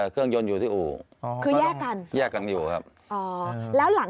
ต้องดูก่อน